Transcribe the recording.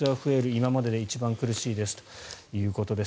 今までで一番苦しいですということです。